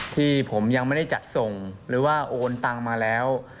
ที่ผมยังไม่ได้จัดส่งหรือว่าโอนตังมาแล้ว